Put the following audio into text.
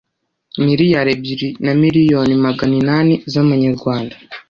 miliyari ebyiri na miliyoni maganinani z’amanyarwanda